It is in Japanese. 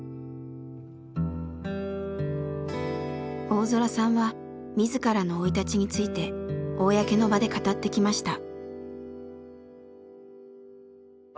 大空さんは自らの生い立ちについて公の場で語ってきました。